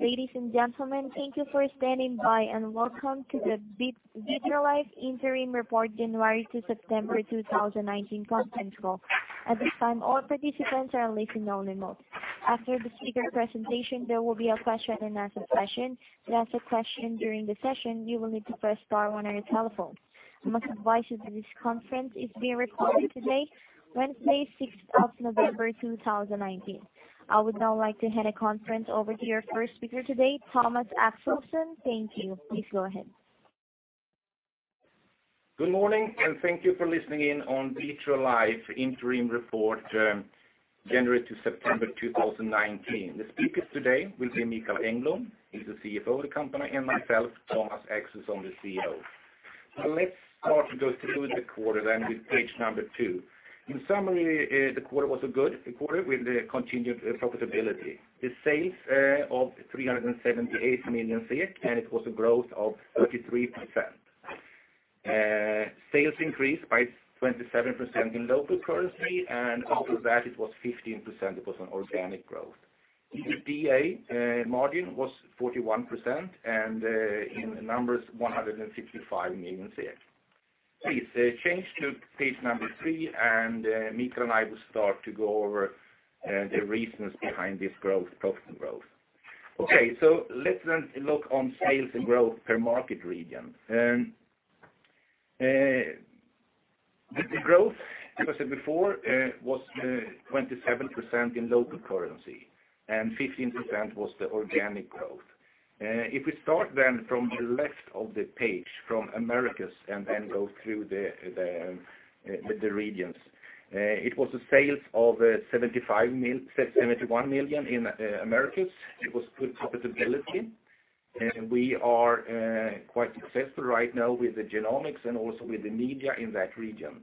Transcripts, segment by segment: Ladies and gentlemen, thank you for standing by, and welcome to the Vitrolife Interim Report January to September 2019 conference call. At this time, all participants are in listen-only mode. After the speaker presentation, there will be a question-and-answer session. To ask a question during the session, you will need to press star one on your telephone. I must advise you that this conference is being recorded today, Wednesday, 6th of November 2019. I would now like to hand the conference over to your first speaker today, Thomas Axelsson. Thank you. Please go ahead. Good morning. Thank you for listening in on Vitrolife Interim Report, January to September 2019. The speakers today will be Mikael Engblom, he's the CFO of the company, and myself, Thomas Axelsson, the CEO. Let's start to go through the quarter then with page number two. In summary, the quarter was a good quarter with continued profitability. The sales of 378 million. It was a growth of 33%. Sales increased by 27% in local currency. After that it was 15%, it was an organic growth. The EBITA margin was 41%. In numbers 165 million. Please change to page number three. Mikael and I will start to go over the reasons behind this growth, profit growth. Okay. Let's then look on sales and growth per market region. The growth, as I said before, was 27% in local currency, and 15% was the organic growth. If we start from the left of the page, from Americas, and then go through with the regions. It was a sales of 71 million in Americas. It was good profitability. We are quite successful right now with the genomics and also with the media in that region.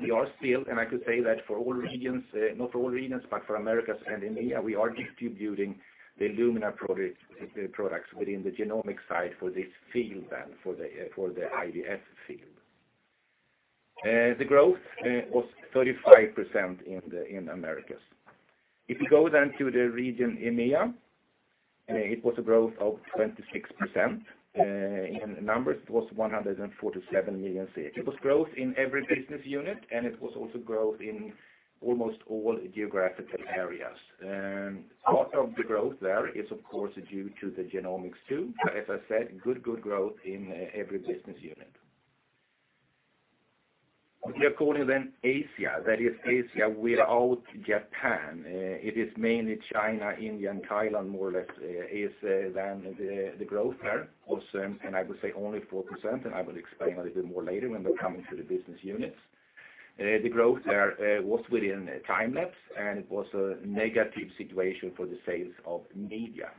We are still, and I could say that for all regions, not for all regions, but for Americas and EMEA, we are distributing the Illumina products within the genomic side for this field then, for the IVF field. The growth was 35% in Americas. If you go to the region EMEA, it was a growth of 26%, in numbers it was 147 million. It was growth in every business unit, and it was also growth in almost all geographical areas. Part of the growth there is of course, due to the genomics, too. As I said, good growth in every business unit. Looking at quarter Asia, that is Asia without Japan. It is mainly China, India, and Thailand, more or less is the growth there was, and I would say only 4%, and I will explain a little bit more later when we're coming to the business units. The growth there was within Time-lapse, and it was a negative situation for the sales of Media.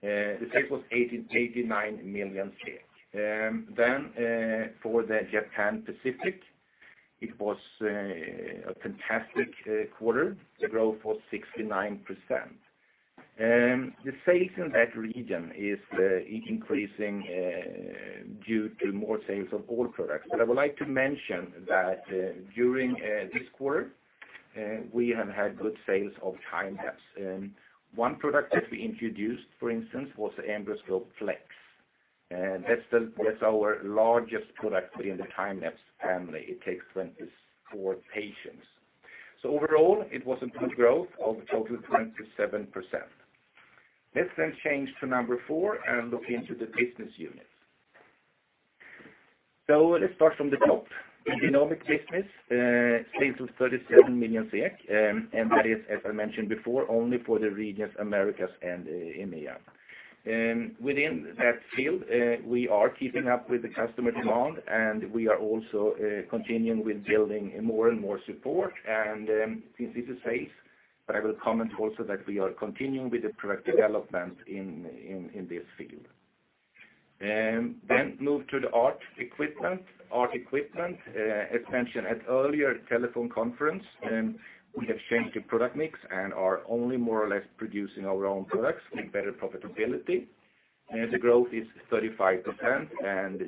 The sales was 89 million. For the Japan Pacific, it was a fantastic quarter. The growth was 69%. The sales in that region is increasing due to more sales of all products. I would like to mention that during this quarter, we have had good sales of Time-lapse. One product that we introduced, for instance, was EmbryoScope Flex. That's our largest product within the Time-lapse family. It takes 24 patients. Overall, it was a good growth of total 27%. Let's change to number four and look into the business units. Let's start from the top. The genomic business, sales of 37 million SEK, that is, as I mentioned before, only for the regions Americas and EMEA. Within that field, we are keeping up with the customer demand, we are also continuing with building more and support and this is the space. I will comment also that we are continuing with the product development in this field. Move to the ART equipment. ART equipment, as mentioned at earlier telephone conference, we have changed the product mix and are only more or less producing our own products with better profitability. The growth is 35%,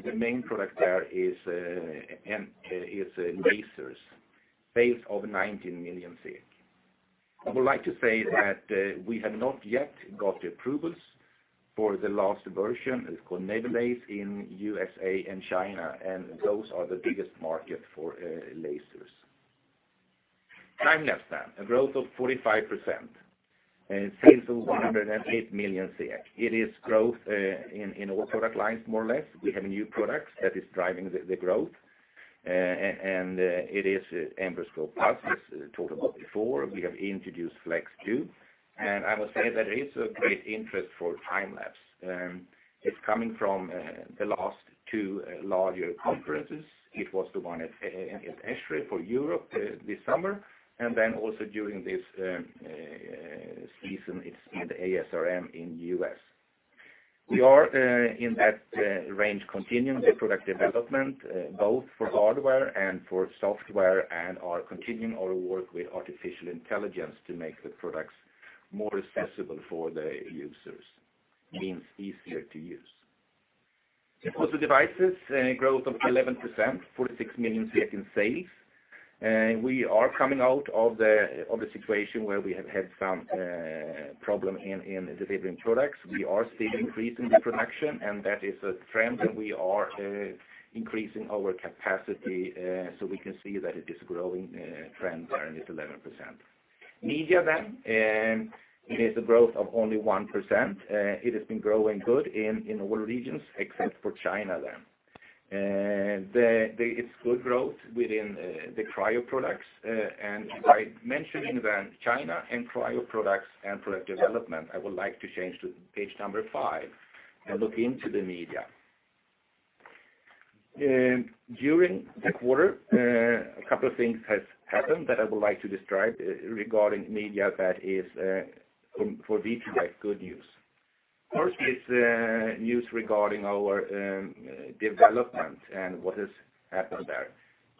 the main product there is lasers. Sales of 19 million SEK. I would like to say that we have not yet got the approvals for the last version, it's called NaviLase in U.S.A. and China, and those are the biggest market for lasers. Time-lapse, then, a growth of 45%. Sales of 108 million SEK. It is growth in all product lines, more or less. We have new products that is driving the growth. It is EmbryoScope+, as talked about before. We have introduced Flex 2. I must say that it is a great interest for Time-lapse. It's coming from the last two larger conferences. It was the one at ESHRE for Europe this summer, and then also during this season, it's in the ASRM in U.S. We are in that range, continuing the product development both for hardware and for software and are continuing our work with artificial intelligence to make the products more accessible for the users. Means easier to use. Consumable devices, growth of 11%, 46 million in sales. We are coming out of the situation where we have had some problem in delivering products. We are still increasing the production, and that is a trend, and we are increasing our capacity, so we can see that it is growing trend there at 11%. Media then, it is a growth of only 1%. It has been growing good in all regions except for China. It's good growth within the cryo products. By mentioning then China and cryo products and product development, I would like to change to page number five and look into the media. During the quarter, a couple of things has happened that I would like to describe regarding media that is for Vitrolife good news. First is news regarding our development and what has happened there.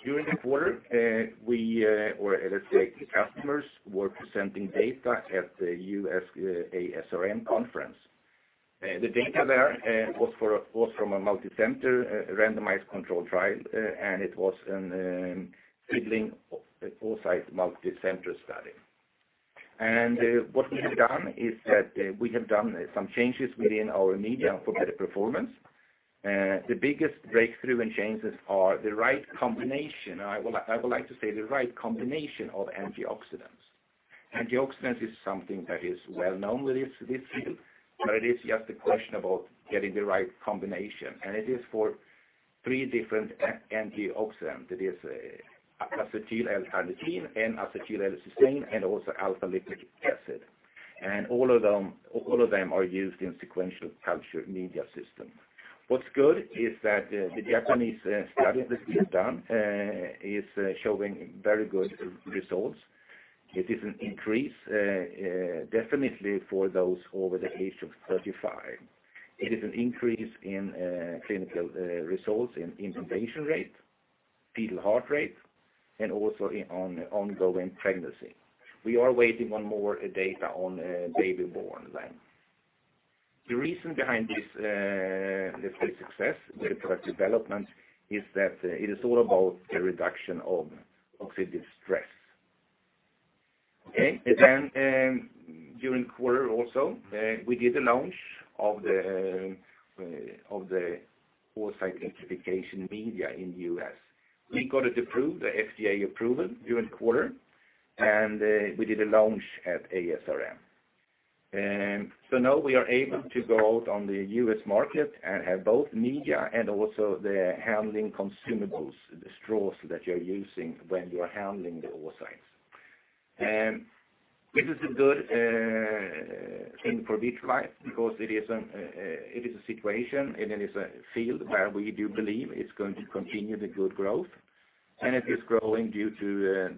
During the quarter, customers were presenting data at the US ASRM conference. The data there was from a multicenter randomized control trial, and it was an sibling oocyte multicenter study. What we have done is that we have done some changes within our media for better performance. The biggest breakthrough and changes are the right combination, I would like to say the right combination of antioxidants. Antioxidants is something that is well-known within this field, but it is just a question about getting the right combination, and it is for three different antioxidants. That is acetyl-L-carnitine and N-acetyl-L-cysteine, and also alpha-lipoic acid. All of them are used in sequential culture media system. What's good is that the Japanese study that we have done is showing very good results. It is an increase definitely for those over the age of 35. It is an increase in clinical results, in implantation rate, fetal heart rate, and also in ongoing pregnancy. We are waiting on more data on baby born then. The reason behind this success with product development is that it is all about the reduction of oxidative stress. Okay. During quarter also, we did a launch of the oocyte vitrification media in the U.S. We got it approved, the FDA approval during the quarter, and we did a launch at ASRM. Now we are able to go out on the U.S. market and have both media and also the handling consumables, the straws that you're using when you are handling the oocytes. This is a good thing for Vitrolife because it is a situation and it is a field where we do believe it's going to continue the good growth. It is growing due to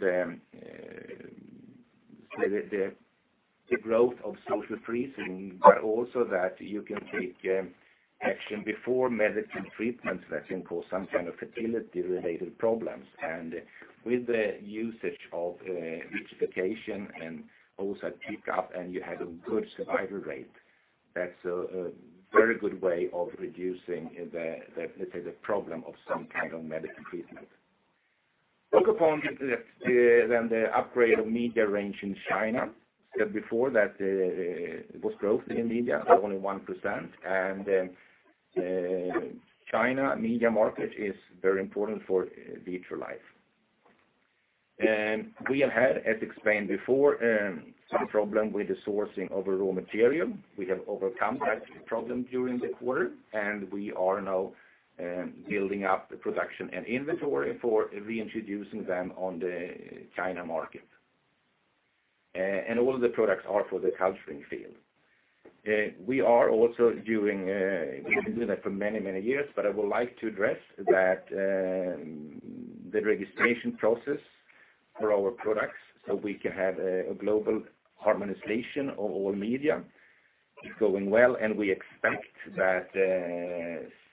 the growth of social freezing, but also that you can take action before medical treatments that can cause some kind of fertility-related problems. With the usage of vitrification and also pick up and you have a good survival rate, that's a very good way of reducing, let's say, the problem of some kind of medical treatment. Focus upon the upgrade of media range in China. We said before that it was growth in media of only 1%, China media market is very important for Vitrolife. We have had, as explained before, some problem with the sourcing of raw material. We have overcome that problem during the quarter, and we are now building up the production and inventory for reintroducing them on the China market. All of the products are for the culturing field. We are also doing, we've been doing it for many years, but I would like to address that the registration process for our products so we can have a global harmonization of all media is going well, and we expect that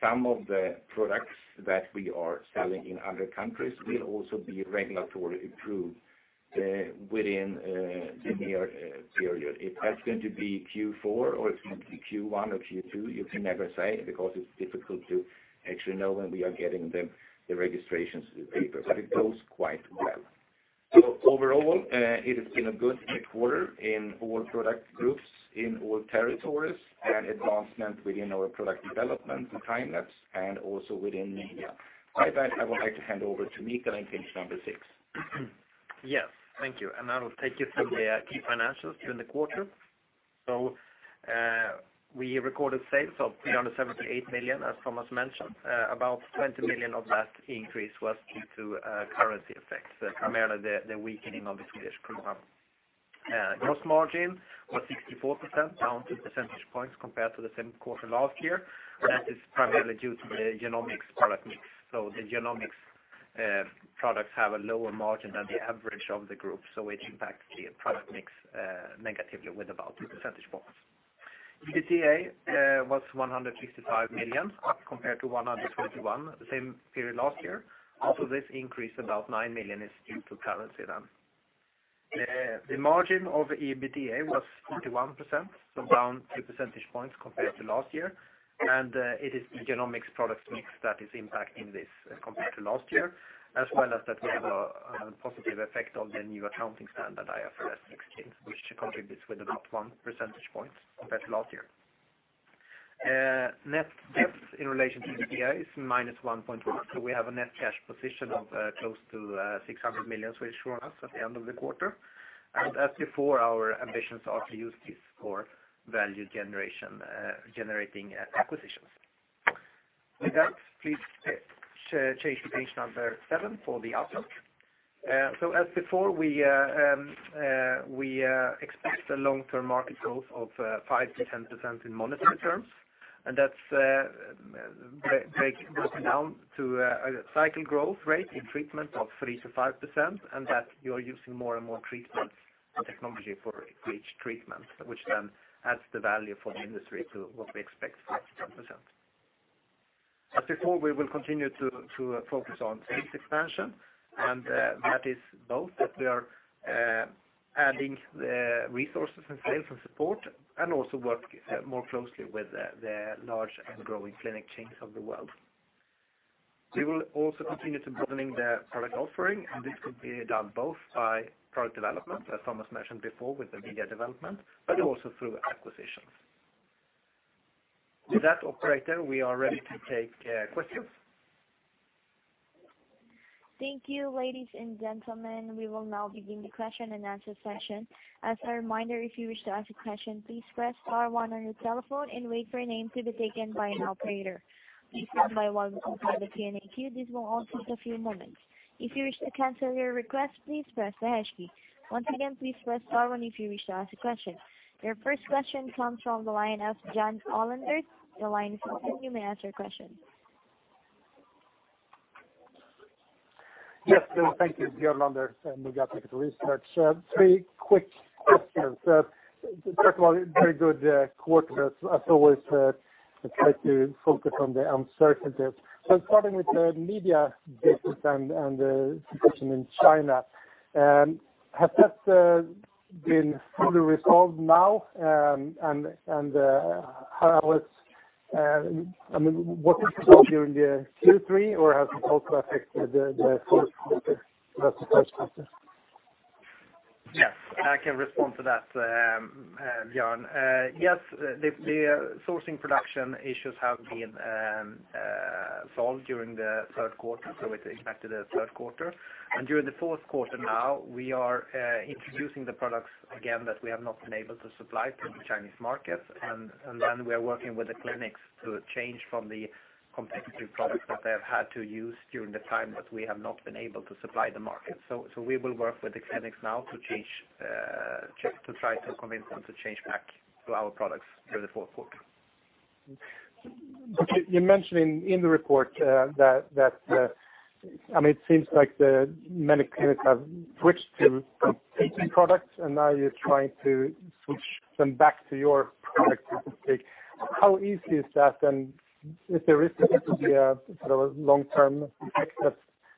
some of the products that we are selling in other countries will also be regulatory approved within the near period. If that's going to be Q4 or it's going to be Q1 or Q2, you can never say because it's difficult to actually know when we are getting the registrations, the papers, but it goes quite well. Overall, it has been a good quarter in all product groups, in all territories, and advancement within our product development and Time-lapse, and also within media. With that, I would like to hand over to Mikael and page number six. Yes. Thank you. I will take you through the key financials during the quarter. We recorded sales of 378 million, as Thomas mentioned. About 20 million of that increase was due to currency effects, primarily the weakening of the Swedish krona. Gross margin was 64%, down 50 percentage points compared to the same quarter last year. That is primarily due to the genomics product mix. The genomics products have a lower margin than the average of the group, so it impacts the product mix negatively with about 50 percentage points. EBITDA was 165 million compared to 121 million same period last year. This increase, about 9 million, is due to currency. The margin of the EBITDA was 41%, down two percentage points compared to last year. It is the genomics products mix that is impacting this compared to last year, as well as that we have a positive effect of the new accounting standard, IFRS 16, which contributes with about one percentage point compared to last year. Net debt in relation to EBITDA is -1.1. We have a net cash position of close to 600 million Swedish kronor at the end of the quarter. As before, our ambitions are to use this for value-generating acquisitions. With that, please change to page number seven for the outlook. As before, we expect a long-term market growth of 5%-10% in monetary terms. That's breaking down to a cycle growth rate in treatment of 3%-5%, and that you're using more and more treatment and technology for each treatment, which then adds the value for the industry to what we expect, 5%-10%. As before, we will continue to focus on sales expansion, and that is both that we are adding resources in sales and support, and also work more closely with the large and growing clinic chains of the world. We will also continue to broaden the product offering, this could be done both by product development, as Thomas mentioned before, with the media development, but also through acquisitions. With that, operator, we are ready to take questions. Thank you, ladies and gentlemen. We will now begin the question-and-answer session. As a reminder, if you wish to ask a question, please press star one on your telephone and wait for your name to be taken by an operator. Please stand by while we prepare the Q&A queue. This will all take a few moments. If you wish to cancel your request, please press the hash key. Once again, please press star one if you wish to ask a question. Your first question comes from the line of Björn Olander. Your line is open. You may ask your question. Yes, thank you. Björn Olander, NORDIC Research. Three quick questions. First of all, very good quarter. As always, I try to focus on the uncertainties. Starting with the media business and the situation in China, has that been fully resolved now? Was it solved during the Q3, or has it also affected the fourth quarter? That's the first question. Yes, I can respond to that, Björn. Yes, the sourcing production issues have been solved during the third quarter. It impacted the third quarter. During the fourth quarter now, we are introducing the products again that we have not been able to supply to the Chinese market. Then we are working with the clinics to change from the competitive products that they have had to use during the time that we have not been able to supply the market. We will work with the clinics now to try to convince them to change back to our products during the fourth quarter. Okay. You mention in the report that it seems like many clinics have switched to competing products, and now you're trying to switch them back to your products, I should say. How easy is that, and is there a risk it could be a long-term effect that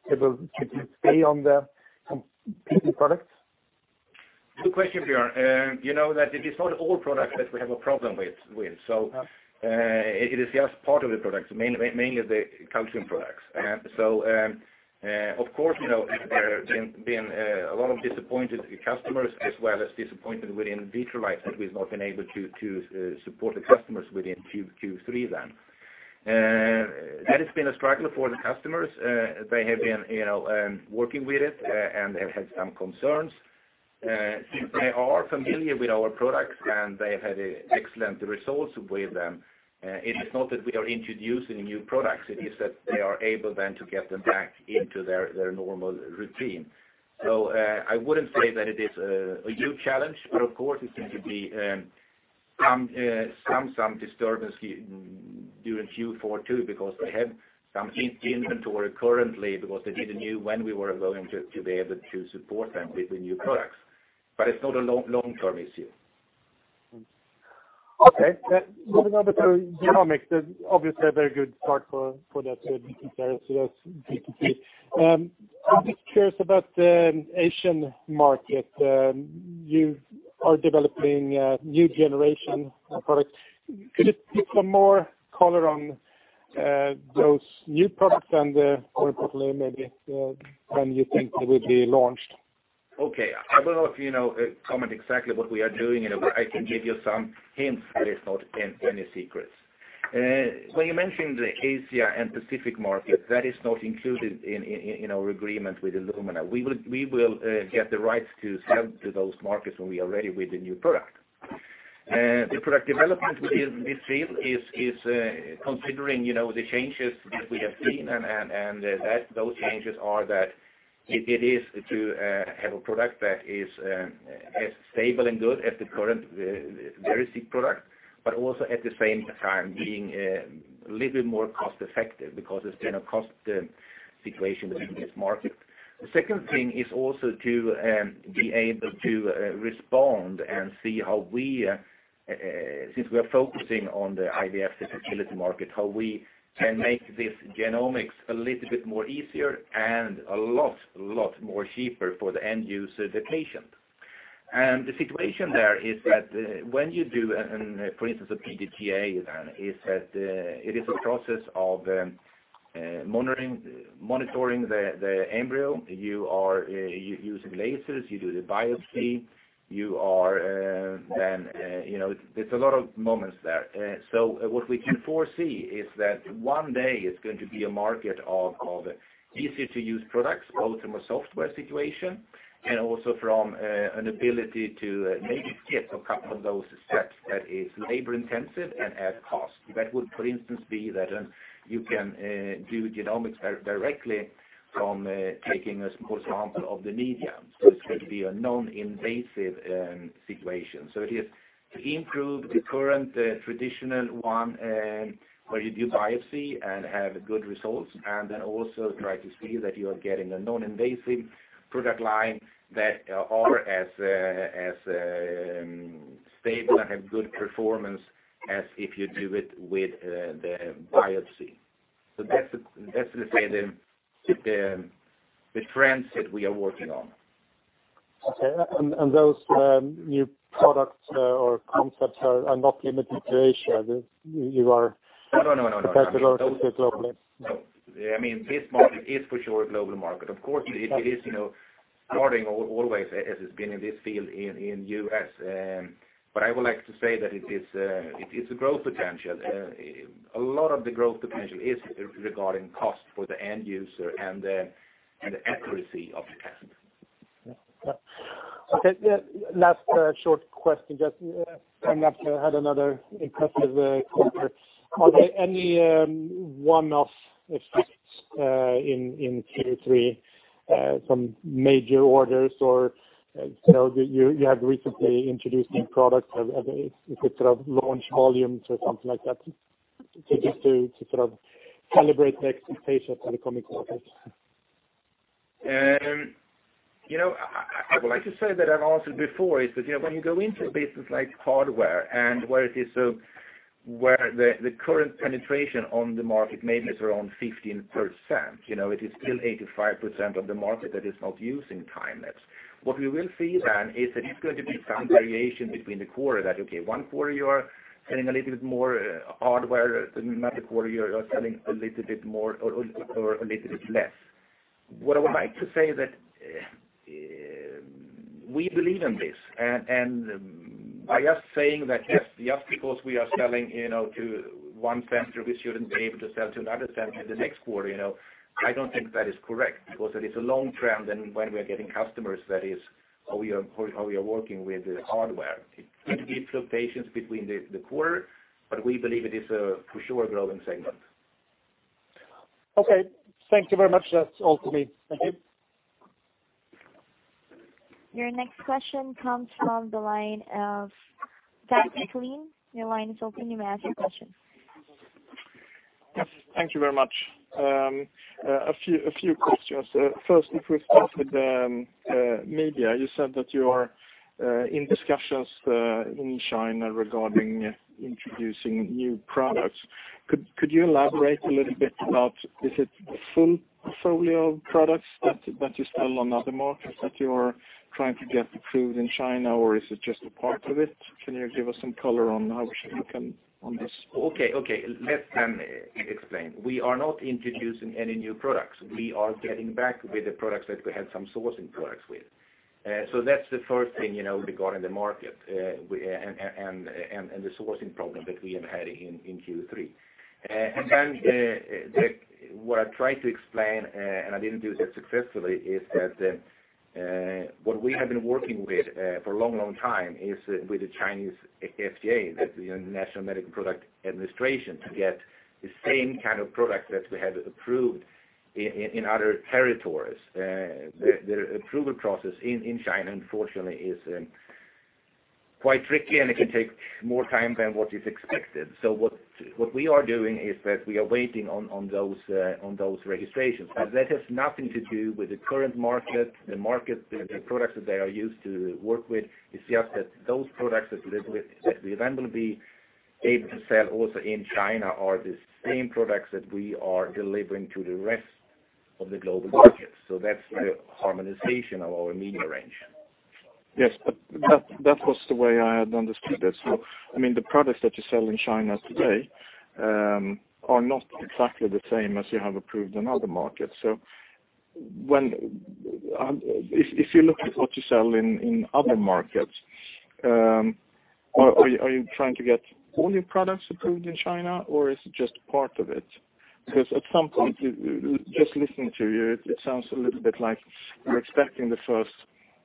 people could stay on the competing products? Good question, Björn. You know that it is not all products that we have a problem with. It is just part of the products, mainly the calcium products. Of course, there have been a lot of disappointed customers as well as disappointment within Vitrolife that we've not been able to support the customers within Q3 then. That has been a struggle for the customers. They have been working with it, and they've had some concerns. Since they are familiar with our products and they've had excellent results with them, it is not that we are introducing new products. It is that they are able then to get them back into their normal routine. I wouldn't say that it is a huge challenge, but of course it's going to be some disturbance during Q4 too, because they have some inventory currently, because they didn't know when we were going to be able to support them with the new products. It's not a long-term issue. Okay. Moving over to genomics, obviously a very good start for that comparison as BTP. I'm just curious about the Asian market. You are developing a new generation of products. Could you give some more color on those new products and hopefully maybe when you think they will be launched? Okay. I don't know if you know, comment exactly what we are doing. I can give you some hints, but it's not any secrets. When you mentioned the Asia and Pacific market, that is not included in our agreement with Illumina. We will get the rights to sell to those markets when we are ready with the new product. The product development within this field is considering the changes that we have seen, and those changes are that it is to have a product that is as stable and good as the current VeriSeq product, but also at the same time being a little bit more cost-effective, because it's in a cost situation within this market. The second thing is also to be able to respond and see how we, since we are focusing on the IVF and fertility market, how we can make this genomics a little bit more easier and a lot more cheaper for the end user, the patient. The situation there is that when you do, for instance, a PGT-A, then it is a process of monitoring the embryo. You are using lasers. You do the biopsy. There's a lot of moments there. What we can foresee is that one day it's going to be a market of easy-to-use products, ultimate software situation, and also from an ability to maybe skip a couple of those steps that is labor-intensive and add cost. That would, for instance, be that you can do genomics directly from taking a small sample of the medium. It's going to be a non-invasive situation. It is to improve the current traditional one, where you do biopsy and have good results, and then also try to see that you are getting a non-invasive product line that are as stable and have good performance as if you do it with the biopsy. That's the trends that we are working on. Okay. Those new products or concepts are not limited to Asia. No competitive also globally. No. This market is, for sure, a global market. Of course, it is starting, always as it's been in this field, in U.S. I would like to say that it is a growth potential. A lot of the growth potential is regarding cost for the end user and the accuracy of the test. Okay. Last short question, just coming up, had another impressive quarter. Are there any one-off effects in Q3 from major orders, or you had recently introducing products, if it could launch volumes or something like that, just to calibrate the expectations for the coming quarters? I would like to say that I have answered before, is that when you go into a business like hardware and where the current penetration on the market maybe is around 15%, it is still 85% of the market that is not using Time-lapse. What we will see then is that it's going to be some variation between the quarter that, okay, one quarter you are selling a little bit more hardware, another quarter, you're selling a little bit less. What I would like to say that we believe in this, by just saying that, just because we are selling to one center, we shouldn't be able to sell to another center the next quarter, I don't think that is correct because it is a long trend. When we are getting customers, that is how we are working with the hardware. It can be fluctuations between the quarter, but we believe it is a, for sure, growing segment. Okay. Thank you very much. That's all from me. Thank you. Your next question comes from the line of Dan Nicklin. Your line is open. You may ask your question. Yes. Thank you very much. A few questions. First, if we start with media, you said that you are in discussions in China regarding introducing new products. Could you elaborate a little bit about, is it a full folio of products that you sell on other markets that you are trying to get approved in China, or is it just a part of it? Can you give us some color on how we should look in on this? Okay. Let me explain. We are not introducing any new products. We are getting back with the products that we had some sourcing products with. That's the first thing regarding the market, and the sourcing problem that we have had in Q3. What I tried to explain, and I didn't do that successfully, is that what we have been working with for a long time is with the Chinese FDA, that's the National Medical Products Administration, to get the same kind of product that we had approved in other territories. The approval process in China, unfortunately, is quite tricky, and it can take more time than what is expected. What we are doing is that we are waiting on those registrations. That has nothing to do with the current market, the products that they are used to work with. It's just that those products that we then will be able to sell also in China are the same products that we are delivering to the rest of the global market. That's the harmonization of our media range. Yes, that was the way I had understood it. The products that you sell in China today are not exactly the same as you have approved in other markets. If you look at what you sell in other markets, are you trying to get all your products approved in China, or is it just part of it? At some point, just listening to you, it sounds a little bit like you're expecting the first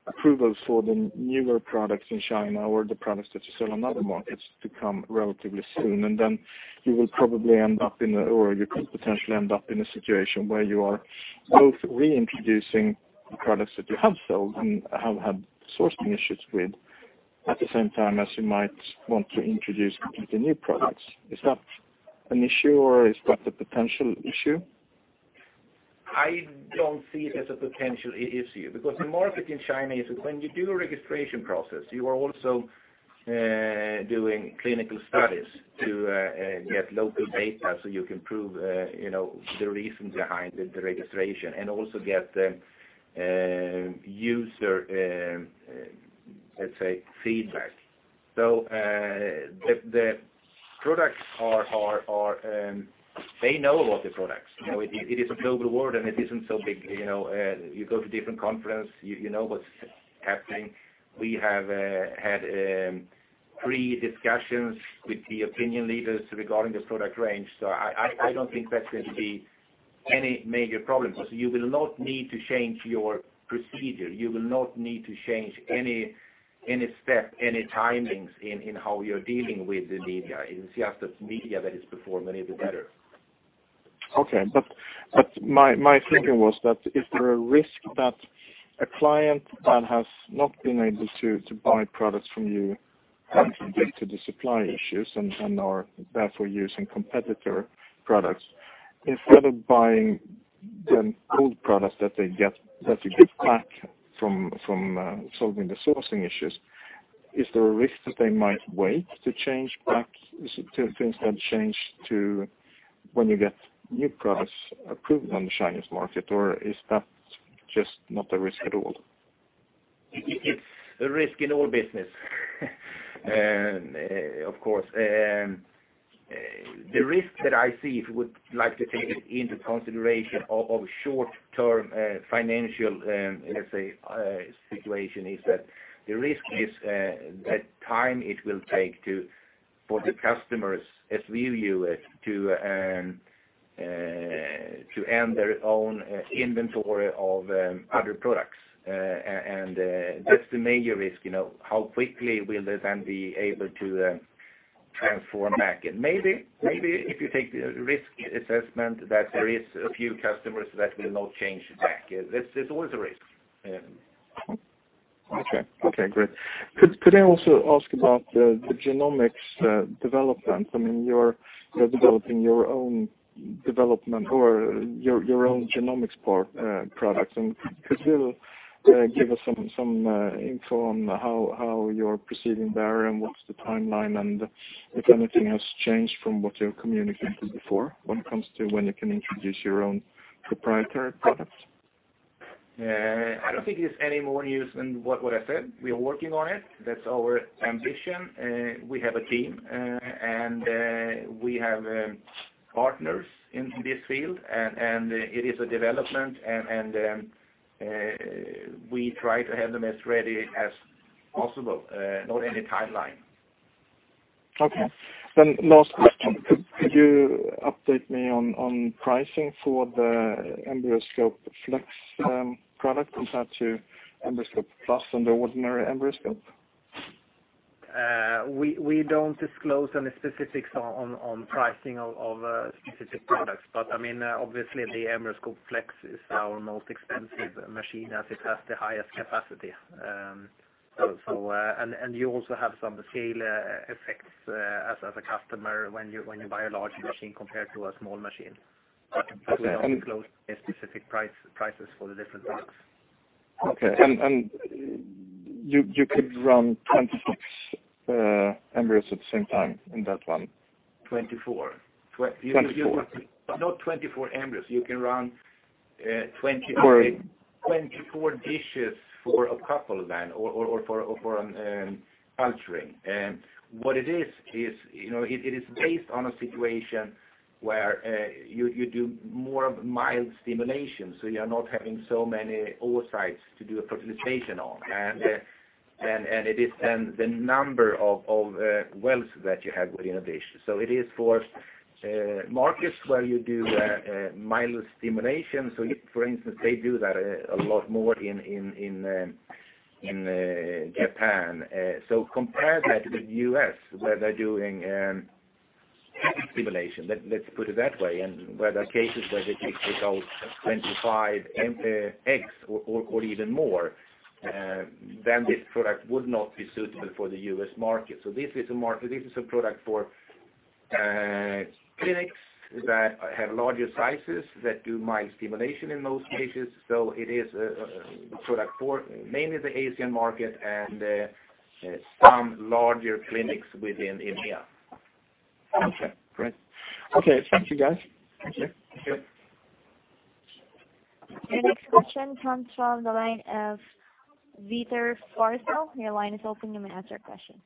approvals for the newer products in China or the products that you sell on other markets to come relatively soon. Then you will probably end up in, or you could potentially end up in a situation where you are both reintroducing products that you have sold and have had sourcing issues with, at the same time as you might want to introduce completely new products. Is that an issue, or is that a potential issue? I don't see it as a potential issue because the market in China is when you do a registration process, you are also doing clinical studies to get local data so you can prove the reason behind the registration and also get the user, let's say, feedback. They know about the products. It is a global world and it isn't so big. You go to different conferences, you know what's happening. We have had pre-discussions with the opinion leaders regarding the product range. I don't think that's going to be any major problem. You will not need to change your procedure. You will not need to change any step, any timings in how you're dealing with the media. It is just that media that is performed a little better. Okay. My thinking was that is there a risk that a client that has not been able to buy products from you due to the supply issues and are therefore using competitor products, instead of buying the old product that you get back from solving the sourcing issues, is there a risk that they might wait to change back to things that change to when you get new products approved on the Chinese market? Or is that just not a risk at all? It's a risk in all business of course. The risk that I see, if you would like to take it into consideration of short-term financial, let's say, situation, is that the risk is the time it will take for the customers, as we view it, to end their own inventory of other products. That's the major risk, how quickly will they then be able to transform back. Maybe if you take the risk assessment that there is a few customers that will not change back. There's always a risk. Okay, great. Could I also ask about the genomics development? I mean, you're developing your own development or your own genomics products and could you give us some info on how you're proceeding there, and what's the timeline, and if anything has changed from what you've communicated before when it comes to when you can introduce your own proprietary products? I don't think there's any more news than what I said. We are working on it. That's our ambition. We have a team, and we have partners in this field, and it is a development, and we try to have them as ready as possible. Not any timeline. Okay. Last question, could you update me on pricing for the EmbryoScope Flex product compared to EmbryoScope+ and the ordinary EmbryoScope? We don't disclose any specifics on pricing of specific products. Obviously the EmbryoScope Flex is our most expensive machine as it has the highest capacity. You also have some scale effects as a customer when you buy a large machine compared to a small machine. We don't disclose any specific prices for the different products. Okay. You could run 26 embryos at the same time in that one. Twenty-four. Twenty-four. Not 24 embryos. You can run 20- Or- 24 dishes for a couple or for a culturing. What it is, it is based on a situation where you do more of mild stimulation, you're not having so many oocytes to do a fertilization on. It is the number of wells that you have within a dish. It is for markets where you do mild stimulation. For instance, they do that a lot more in Japan. Compare that with U.S. where they're doing heavy stimulation, let's put it that way, and where there are cases where they take out 25 eggs or even more, this product would not be suitable for the U.S. market. This is a product for clinics that have larger sizes that do mild stimulation in most cases. It is a product for mainly the Asian market and some larger clinics within India. Okay, great. Okay. Thank you, guys. Thank you. Thank you. Your next question comes from the line of Victor Forssell. Your line is open. You may ask your question.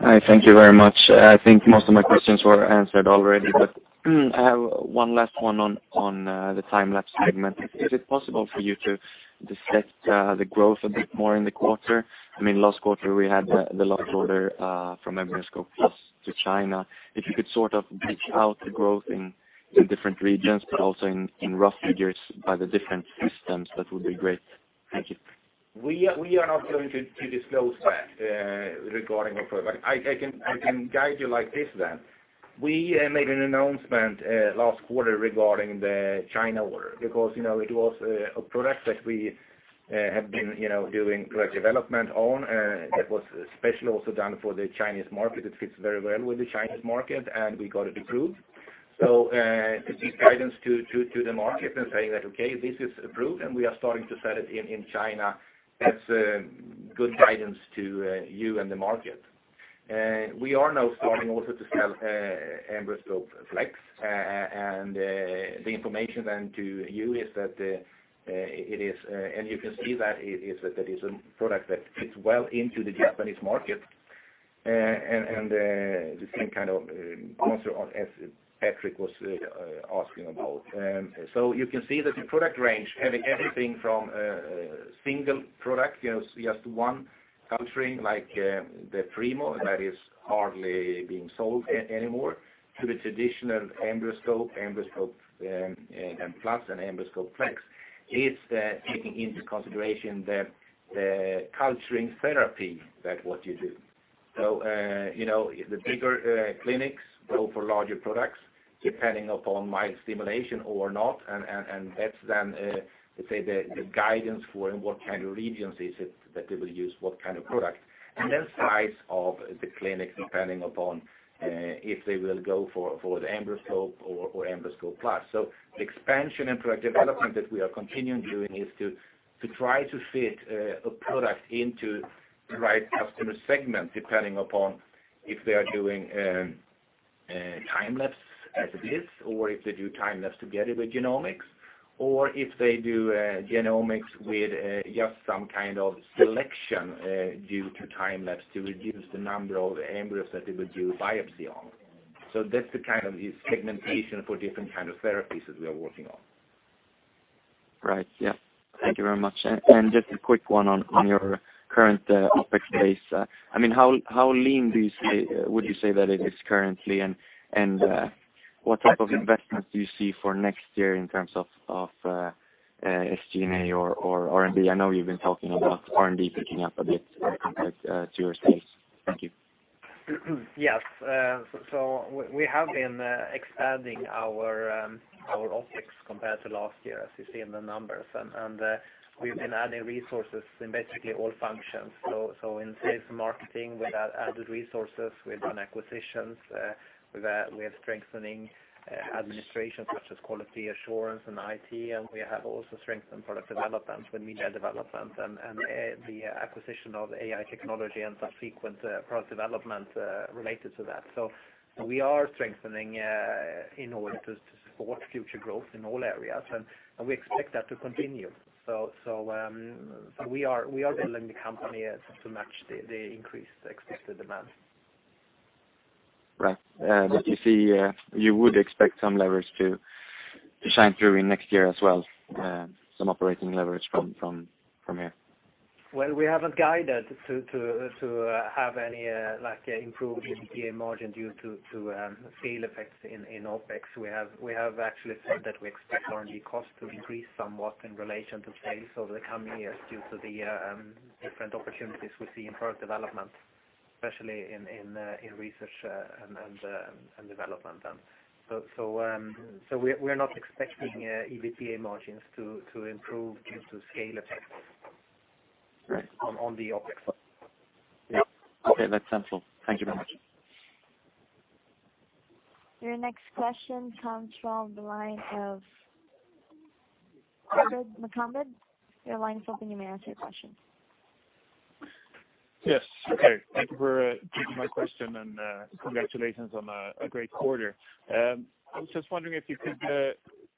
Hi. Thank you very much. I think most of my questions were answered already, but I have one last one on the Time-lapse segment. Is it possible for you to dissect the growth a bit more in the quarter? I mean, last quarter we had the large order from EmbryoScope+ to China. If you could sort of break out the growth in different regions, but also in rough figures by the different systems, that would be great. Thank you. We are not going to disclose that regarding our product. I can guide you like this. We made an announcement last quarter regarding the China order because it was a product that we have been doing product development on, that was specially also done for the Chinese market. It fits very well with the Chinese market, we got it approved. To give guidance to the market and saying that, okay, this is approved, we are starting to sell it in China, that's good guidance to you and the market. We are now starting also to sell EmbryoScope Flex. The information then to you is that it is, you can see that it is a product that fits well into the Japanese market. The same kind of answer as Patrik was asking about. You can see that the product range, having everything from single product, just one culturing, like the Primo that is hardly being sold anymore, to the traditional EmbryoScope+, and EmbryoScope Flex, is taking into consideration the culturing therapy that what you do. The bigger clinics go for larger products, depending upon mild stimulation or not. That's then, let's say the guidance for in what kind of regions is it that they will use, what kind of product. Size of the clinic, depending upon if they will go for the EmbryoScope or EmbryoScope+. The expansion and product development that we are continuing doing is to try to fit a product into the right customer segment, depending upon if they are doing Time-lapse as it is, or if they do Time-lapse together with genomics. If they do genomics with just some kind of selection due to Time-lapse to reduce the number of embryos that they will do biopsy on. That's the kind of segmentation for different kind of therapies that we are working on. Right. Yeah. Thank you very much. Just a quick one on your current OpEx base. How lean would you say that it is currently, and what type of investments do you see for next year in terms of SG&A or R&D? I know you've been talking about R&D picking up a bit to your space. Thank you. Yes. We have been expanding our OpEx compared to last year, as you see in the numbers. We've been adding resources in basically all functions. In sales and marketing, we've added resources, we've done acquisitions, we are strengthening administration such as quality assurance and IT, and we have also strengthened product development with media development and the acquisition of AI technology and some frequent product development related to that. We are strengthening in order to support future growth in all areas, and we expect that to continue. We are building the company to match the increased expected demand. Right. You would expect some leverage to shine through in next year as well, some operating leverage from here. Well, we haven't guided to have any improved EBITA margin due to scale effects in OpEx. We have actually said that we expect R&D costs to increase somewhat in relation to sales over the coming years due to the different opportunities we see in product development, especially in research and development. We're not expecting EBITA margins to improve due to scale effects. Right on the OpEx side. Yeah. Okay. That's helpful. Thank you very much. Your next question comes from the line of Arvid Makondan. Your line is open. You may ask your question. Yes. Okay. Thank you for taking my question, congratulations on a great quarter. I was just wondering if you could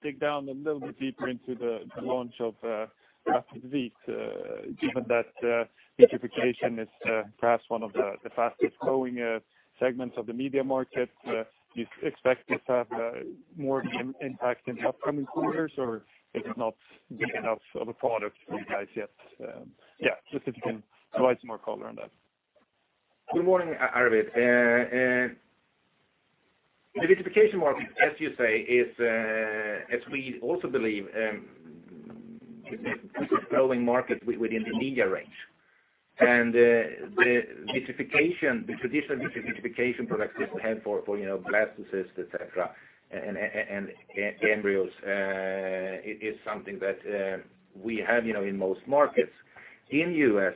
dig down a little bit deeper into the launch of RapidVit, given that vitrification is perhaps one of the fastest-growing segments of the media market. Do you expect this to have more impact in upcoming quarters, is it not big enough of a product for you guys yet? Yeah, just if you can provide some more color on that. Good morning, Arvid. The vitrification market, as you say, is, as we also believe, is a super growing market within the media range. The traditional vitrification products that we have for blastocysts, et cetera, and embryos, it is something that we have in most markets. In U.S.,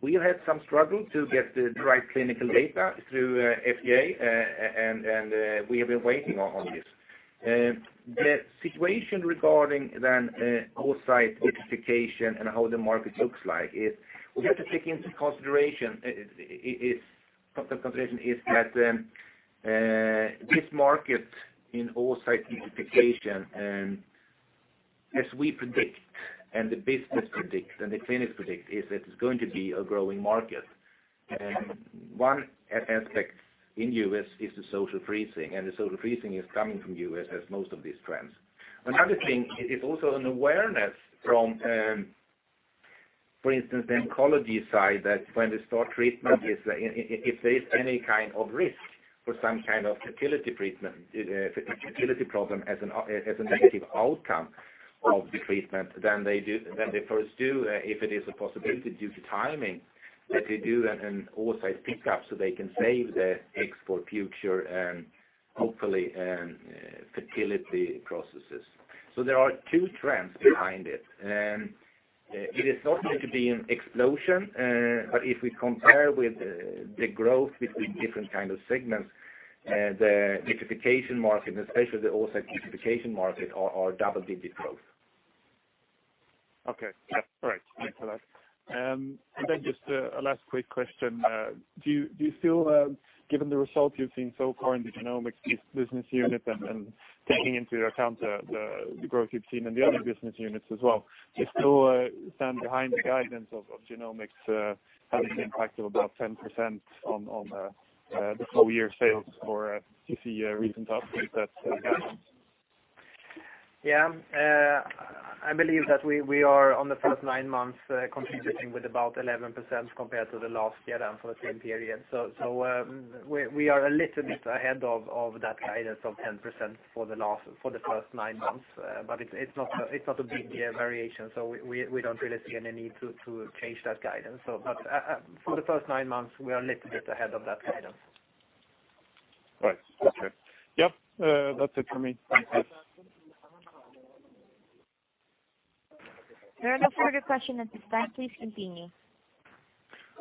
we have had some struggle to get the right clinical data through FDA, and we have been waiting on this. The situation regarding then oocyte vitrification and how the market looks like is, we have to take into consideration is that this market in oocyte vitrification, as we predict and the business predicts and the clinics predict, is that it's going to be a growing market. One aspect in U.S. is the social freezing, the social freezing is coming from U.S. as most of these trends. Another thing is also an awareness from, for instance, the oncology side, that when they start treatment, if there is any kind of risk for some kind of fertility problem as a negative outcome of the treatment, then they first do, if it is a possibility due to timing, that they do an oocyte pickup so they can save the eggs for future, hopefully, fertility processes. There are two trends behind it. It is not going to be an explosion, but if we compare with the growth between different kind of segments, the vitrification market, and especially the oocyte vitrification market, are double-digit growth. Okay. All right. Thanks for that. Just a last quick question. Do you feel, given the results you've seen so far in the genomics business unit and taking into account the growth you've seen in the other business units as well, do you still stand behind the guidance of genomics having an impact of about 10% on the whole year sales, or do you see reasons to update that guidance? I believe that we are, on the first nine months, contributing with about 11% compared to the last year and for the same period. We are a little bit ahead of that guidance of 10% for the first nine months, but it's not a big variation, so we don't really see any need to change that guidance. For the first nine months, we are a little bit ahead of that guidance. Right. Okay. Yep. That's it for me. Thanks. There are no further questions at this time. Please continue.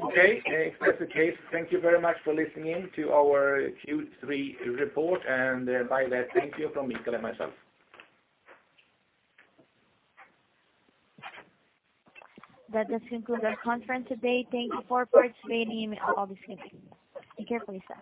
Okay. If that's the case, thank you very much for listening to our Q3 report, and bye-bye. Thank you from Mikael and myself. That just concludes our conference today. Thank you for participating. I'll disconnect the line. Be careful, you sir.